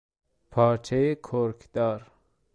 پارچهی کرکدار